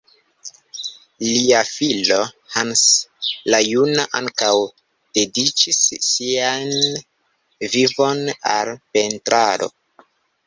Lia filo, Hans la juna, ankaŭ dediĉis sian vivon al pentrado.